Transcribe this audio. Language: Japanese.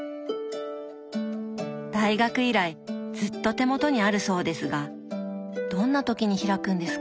大学以来ずっと手元にあるそうですがどんな時に開くんですか？